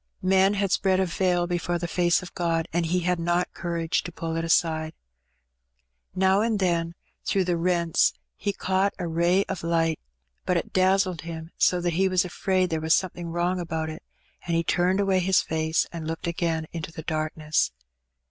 Men had spread a veil before the face of Gt)d, an^ h^ had not courage to pull it aside. Now and then through the rents he caught a ray of light, but it dazzled him so that he was afraid there was something wrong about it, and he turned away his face and looked again into the darkness.